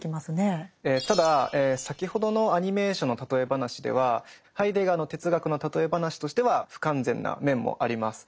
ただ先ほどのアニメーションの例え話ではハイデガーの哲学の例え話としては不完全な面もあります。